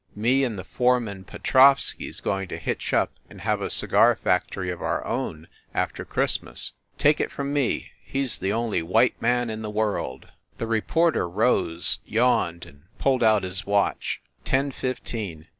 Me and the fore man Petrovsky s going to hitch up and have a cigar factory of our own, after Christmas. Take it from me, he s the only white man in the world !" The reporter rose, yawned, and pulled out his watch. "Ten fifteen.